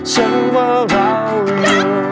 ใช้คำนี้มาเริ่ม